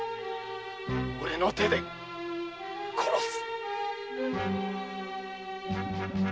俺の手で殺す！